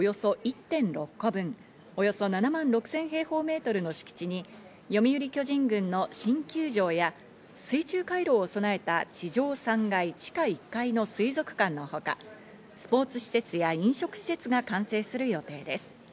東京ドームおよそ１．６個分、およそ７万６０００平方メートルの敷地に、読売巨人軍の新球場や水中回廊を備えた地上３階、地下１階の水族館のほか、スポーツ施設や飲食施設が完成する予定です。